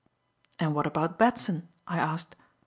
"And what about Batson?" I asked.